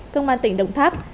công an tỉnh đồng tháp